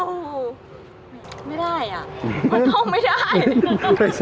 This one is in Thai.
ไม่ได้อ่ะมันเข้าไม่ได้